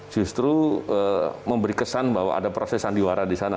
justru memberi kesan bahwa ada proses sandiwara di sana